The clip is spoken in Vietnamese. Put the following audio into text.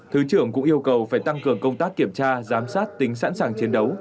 thứ trưởng cũng yêu cầu phải tăng cường công tác kiểm tra giám sát tính sẵn sàng chiến đấu